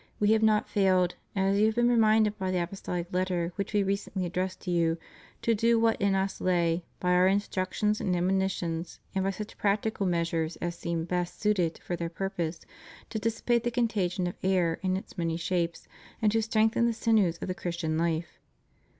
We have not failed, as you have been reminded by the apos tolic letter which We recently addressed to you, to do what in Us lay, by Our instructions and admonitions, and by such practical measures as seemed best suited for their purpose, to dissipate the contagion of error in its many shapes, and to strengthen the sinews of the Chris tian life.